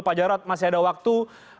pak jarod masih ada waktu